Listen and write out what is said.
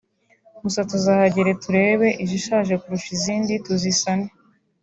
Gusa tuzahagera turebe izishaje kurusha izindi tuzisane